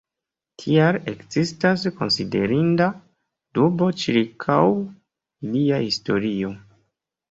Tial ekzistas konsiderinda dubo ĉirkaŭ ilia historio.